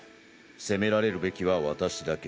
責められるべきは私だけ。